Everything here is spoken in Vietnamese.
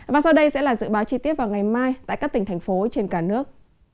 và sau đây sẽ là dự báo chi tiết vào ngày mai tại các tỉnh thành phố trên cả nước